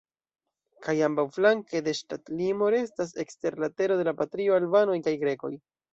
Kaj ambaŭflanke de ŝtatlimo restas ekster la tero de la patrio albanoj kaj grekoj.